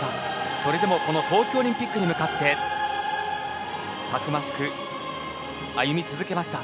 それでもこの東京オリンピックに向かってたくましく歩み続けました。